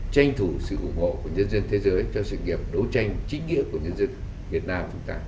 tranh thủ sự ủng hộ của nhân dân thế giới cho sự nghiệp đấu tranh chính nghĩa của nhân dân việt nam chúng ta